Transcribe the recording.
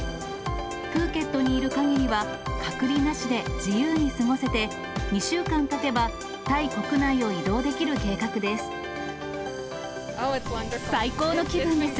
プーケットにいるかぎりは隔離なしで自由に過ごせて、２週間たてば、最高の気分です。